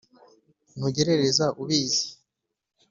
Ntugerereza ubizi